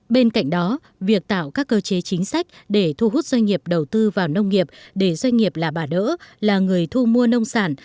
bên cạnh đó việc tạo các cơ chế chính sách để thu hút doanh nghiệp đầu tư vào nông nghiệp để doanh nghiệp là bà đỡ là người thu mua nông sản